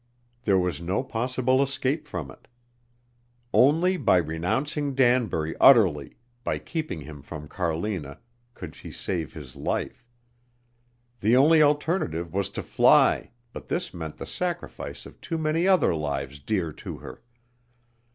There was no possible escape from it. Only by renouncing Danbury utterly, by keeping him from Carlina, could she save his life. The only alternative was to fly, but this meant the sacrifice of too many other lives dear to her.